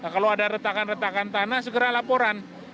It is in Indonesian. kalau ada retakan retakan tanah segera laporan